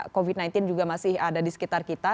covid sembilan belas juga masih ada di sekitar kita